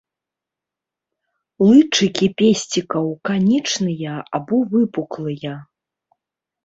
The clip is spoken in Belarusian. Лычыкі песцікаў канічныя або выпуклыя.